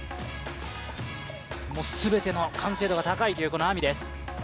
全ての完成度が高いというＡＭＩです